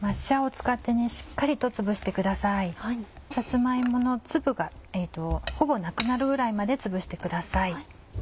さつま芋の粒がほぼなくなるぐらいまでつぶしてください。